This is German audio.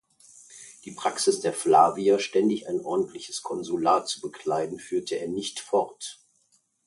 Die Praxis der Flavier, ständig ein ordentliches Konsulat zu bekleiden, führte er nicht fort.